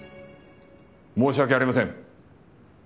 申し訳ありません。